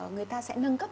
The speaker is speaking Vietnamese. người ta sẽ nâng cấp